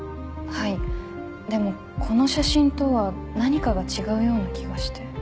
はいでもこの写真とは何かが違うような気がして。